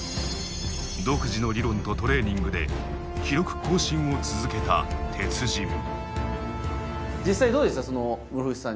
独自の理論とトレーニングで記録更新を続けた鉄人。